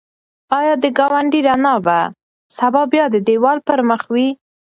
ایا د ګاونډي رڼا به سبا بیا د دېوال پر مخ وي؟